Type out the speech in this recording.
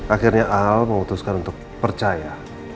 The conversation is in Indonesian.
akhirnya al memutuskan untuk percaya